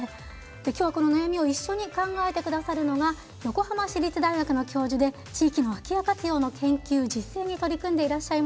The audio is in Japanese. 今日、この悩みを一緒に考えてくださるのが横浜市立大学の教授で地域の空き家活用の実践に取り組んでらっしゃる